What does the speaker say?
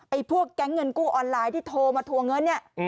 พวกแก๊งเงินกู้ออนไลน์ที่โทรมาทัวร์เงินเนี่ย